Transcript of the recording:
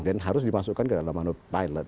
dan harus dimasukkan ke dalam pilot